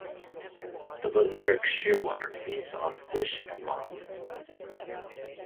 The Balearic shearwater feeds on fish and molluscs.